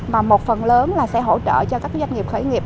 mà một phần lớn là sẽ hỗ trợ cho các doanh nghiệp khởi nghiệp